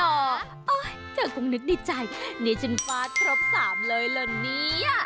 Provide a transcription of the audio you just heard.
โอ๊ยเธอกลุกนึกในใจณิชชันฟาททบ๓เลยละนี้